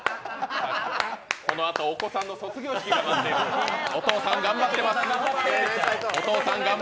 このあとお子さんの卒業式がありまして、お父さん、頑張ってます。